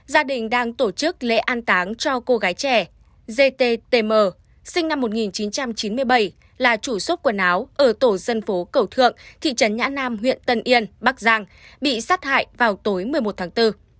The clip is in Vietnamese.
gia đình đang tổ chức lễ an táng cho cô gái trẻ gttm sinh năm một nghìn chín trăm chín mươi bảy là chủ sốp quần áo ở tổ dân phố cầu thượng thị trấn nhã nam huyện tân yên bắc giang bị sát hại vào tối một mươi một tháng bốn